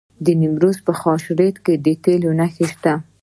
د نیمروز په خاشرود کې د تیلو نښې شته.